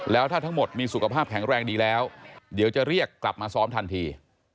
แล้วถ้าทั้งหมดมีสุขภาพแข็งแรงดีแล้วเดี๋ยวจะเรียกกลับมาซ้อมทันที